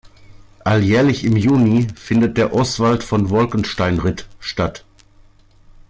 Alljährlich im Juni findet der Oswald von Wolkenstein Ritt statt.